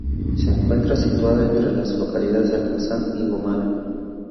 Se encuentra situada entre las localidades de Almazán y Gómara.